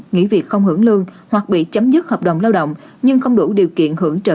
nghỉ việc không hưởng lương hoặc bị chấm dứt hợp đồng lao động nhưng không đủ điều kiện hưởng trợ